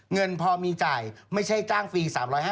เงินพอมีจ่ายไม่ใช่จ้างฟรี๓๕๐